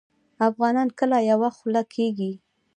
افغانان کله یوه خوله کیږي؟